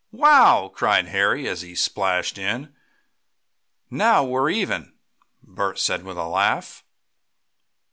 "Wow!" cried Harry as he splashed in. "Now we're even," Bert said with a laugh.